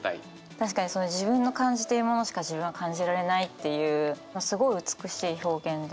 確かにその自分の感じてるものしか自分は感じられないっていうすごい美しい表現で。